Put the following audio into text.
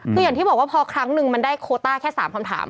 คืออย่างที่บอกว่าพอครั้งนึงมันได้โคต้าแค่๓คำถาม